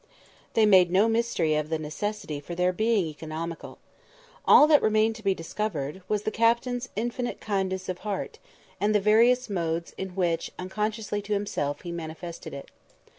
They made no mystery of the necessity for their being economical. All that remained to be discovered was the Captain's infinite kindness of heart, and the various modes in which, unconsciously to himself, he manifested it.